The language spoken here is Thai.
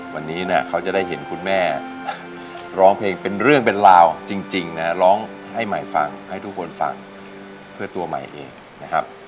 วันนี้เนี่ยเขาจะได้เห็นคุณแม่ร้องเพลงเป็นเรื่องเป็นราวจริงนะร้องให้ใหม่ฟังให้ทุกคนฟังเพื่อตัวใหม่เองนะครับ